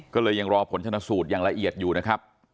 ก็เลยยังรอผลชนสูตรอย่างละเอียดอยู่นะครับ